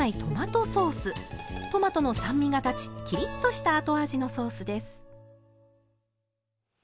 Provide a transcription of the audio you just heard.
トマトの酸味が立ちキリッとした後味のソースです。